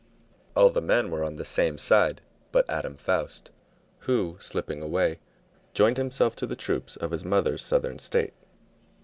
All the men were on the same side but Adam Foust, who, slipping away, joined himself to the troops of his mother's Southern State.